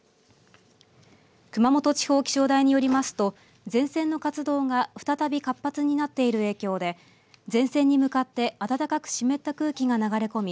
熊本地方気象台によりますと前線の活動が再び活発になっている影響で前線に向かって暖かく湿った空気が流れ込み